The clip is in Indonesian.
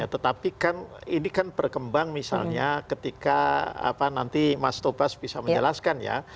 tetapi kan ini kan berkembang misalnya ketika nanti mas tobas bisa menjelaskan ya